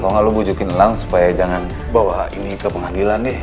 kalau gak lo bujukin ulang supaya jangan bawa ini ke pengadilan deh